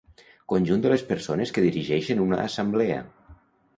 Conjunt de les persones que dirigeixen una assemblea.